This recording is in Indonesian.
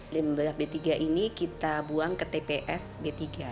limbah b tiga ini kita buang ke tps b tiga